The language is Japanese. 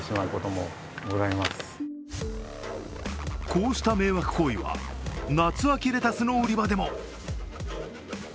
こうした迷惑行為は夏秋レタスの売り場でも。